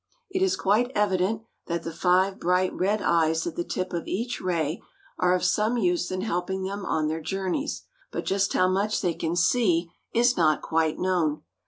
It is quite evident that the five bright red eyes at the tip of each ray are of some use in helping them on their journeys; but just how much they can see is not quite known.